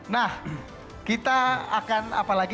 nah kita akan apa lagi